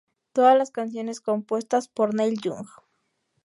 Todas las canciones compuestas por Neil Young.